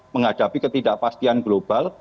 menghadapi ketidakpastian global